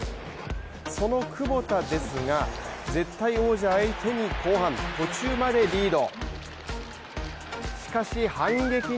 そのクボタですが、絶対王者相手に後半途中までリード。